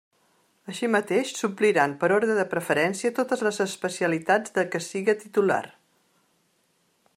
Així mateix, s'ompliran, per ordre de preferència, totes les especialitats de què siga titular.